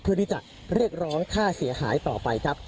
เพื่อที่จะเรียกร้องค่าเสียหายต่อไปครับ